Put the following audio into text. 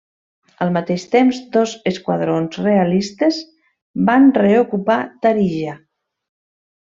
Al mateix temps, dos esquadrons realistes van reocupar Tarija.